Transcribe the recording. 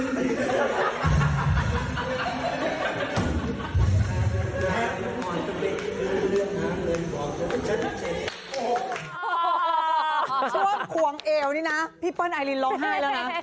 ช่วงขวงเอวนี่นะพี่เปิ้ลไอลินร้องไห้แล้วนะ